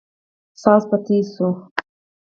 ساز به تېز سو.